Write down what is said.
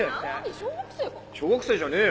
小学生じゃねえよ